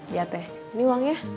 iya teh ini uangnya